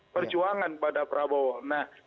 perjuangan kepada prabowo nah